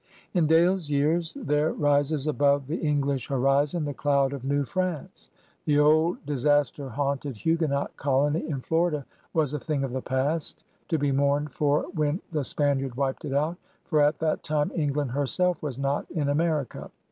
In Dale's years there rises above the English horizon the cloud of New Prance. The old, dis aster haimted Huguenot colony in Florida was a thing of the past, to be mourned for when the Spaniard wiped it out — for at that time England herself was not in America.